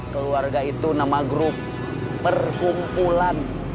keluarga itu nama grup perkumpulan